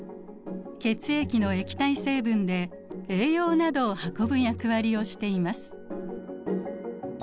血液の液体成分で栄養などを運ぶ役割をしています。